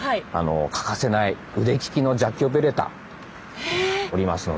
欠かせない腕利きのジャッキオペレーターおりますので。